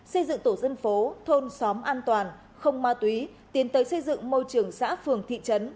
xây dựng tổ dân phố thôn xóm an toàn không ma túy tiến tới xây dựng môi trường xã phường thị trấn